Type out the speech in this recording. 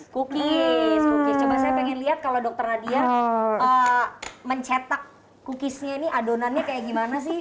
cookies cookies coba saya pengen lihat kalau dokter nadia mencetak cookiesnya ini adonannya kayak gimana sih